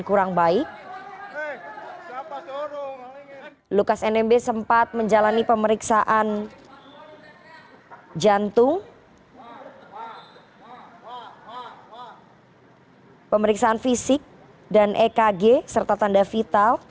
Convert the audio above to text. kurang baik lukas nmb sempat menjalani pemeriksaan jantung pemeriksaan fisik dan ekg serta tanda vital